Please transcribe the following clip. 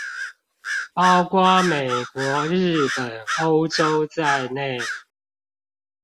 包括美國、日本、歐洲在內